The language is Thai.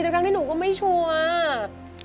ดังนั้นหนูก็ไม่ชัวร์